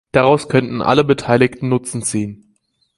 Daraus könnten alle Beteiligten Nutzen ziehen.